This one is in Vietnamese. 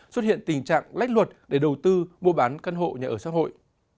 xuất hiện tình trạng lách luật để đầu tư mua bán căn hộ nhà ở xã hội